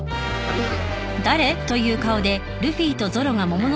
えっ！？